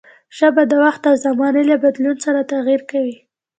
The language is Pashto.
ژبه د وخت او زمانې له بدلون سره تغير کوي.